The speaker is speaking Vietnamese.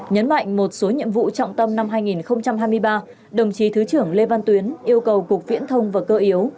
nhấn mạnh một số nhiệm vụ trọng tâm năm hai nghìn hai mươi ba đồng chí thứ trưởng lê văn tuyến yêu cầu cục viễn thông và cơ yếu